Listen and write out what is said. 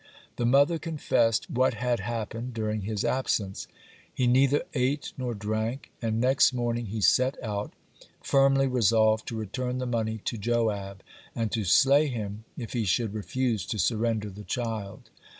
The mother confessed what had happened during his absence. He neither ate nor drank, and next morning he set out, firmly resolved to return the money to Joab and to slay him if he should refuse to surrender the child.